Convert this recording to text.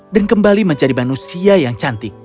dan kembali menjadi manusia yang cantik